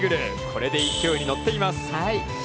これで勢いに乗っています。